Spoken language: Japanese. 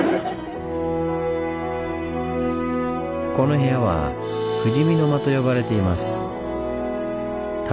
この部屋は「富士見の間」と呼ばれています。